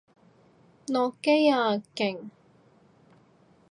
落機啊！勁！